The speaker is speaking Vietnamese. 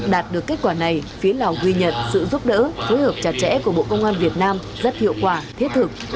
đạt được kết quả này phía lào ghi nhận sự giúp đỡ phối hợp chặt chẽ của bộ công an việt nam rất hiệu quả thiết thực